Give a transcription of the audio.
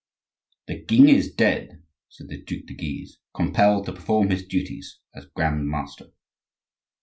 "The king is dead!" said the Duc de Guise, compelled to perform his duties as Grand master.